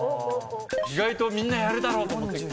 意外とみんなやるだろうと。